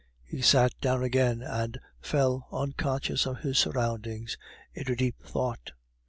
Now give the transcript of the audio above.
He sat down again and fell, unconscious of his surroundings, into deep thought.